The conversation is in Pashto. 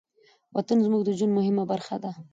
وطن زموږ د ژوند مهمه برخه ده.